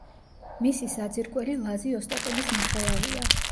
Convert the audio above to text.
მისი საძირკველი ლაზი ოსტატების ნახელავია.